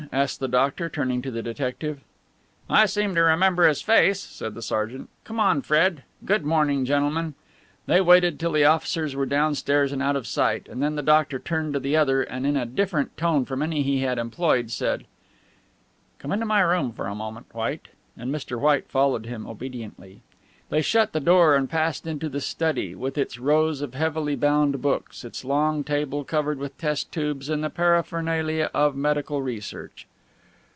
asked the doctor, turning to the detective. "I seem to remember his face," said the sergeant. "Come on, Fred. Good morning, gentlemen." They waited till the officers were downstairs and out of sight, and then the doctor turned to the other and in a different tone from any he had employed, said: "Come into my room for a moment, White," and Mr. White followed him obediently. They shut the door and passed into the study, with its rows of heavily bound books, its long table covered with test tubes and the paraphernalia of medical research.